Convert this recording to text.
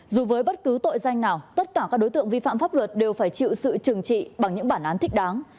dù với bất cứ tội danh nào tất cả các đối tượng vi phạm pháp luật đều phải chịu sự trừng trị bằng những bản án thích đáng